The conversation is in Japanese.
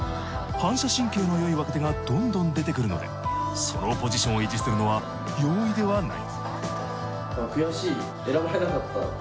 反射神経が良い若手がどんどん出てくるのでそのポジションを維持するのは容易ではない。